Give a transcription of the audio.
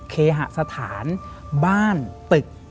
เคหสถานบ้านตึก